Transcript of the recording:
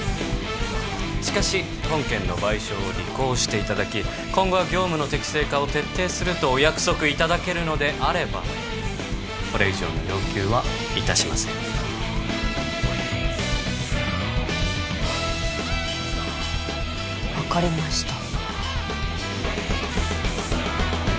しかし本件の賠償を履行していただき今後は業務の適正化を徹底するとお約束いただけるのであればこれ以上の要求はいたしません分かりました